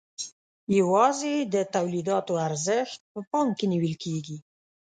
یوازې د تولیداتو ارزښت په پام کې نیول کیږي.